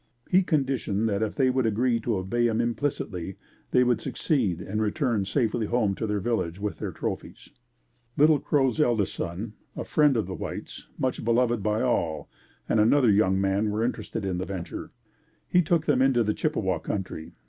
He conditioned that if they would agree to obey him implicitly, they would succeed and return safely home to their village with their trophies. Little Crow's eldest son, a friend of the whites, much beloved by all, and another young man were interested in the venture. He took them into the Chippewa country.